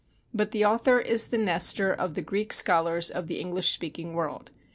But the author is the Nestor of the Greek scholars of the English speaking world.